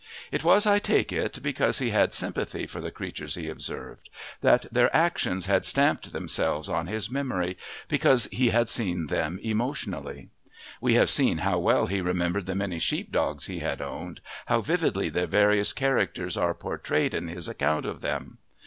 It was, I take it, because he had sympathy for the creatures he observed, that their actions had stamped themselves on his memory, because he had seen them emotionally. We have seen how well he remembered the many sheep dogs he had owned, how vividly their various characters are portrayed in his account of them.